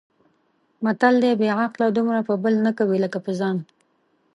متل دی: بې عقل دومره په بل نه کوي لکه په ځان.